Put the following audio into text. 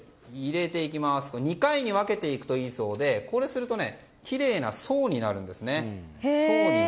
２回に分けていくといいそうでこれをするときれいな層になるんですね。